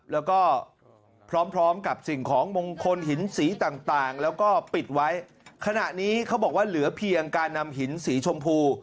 แล้วก็พร้อมพร้อมกับสิ่งของมงคลหินสีต่างต่างแล้วก็ปิดไว้ขณะนี้เขาบอกว่าเหลือเพียงการนำหินสีชมพู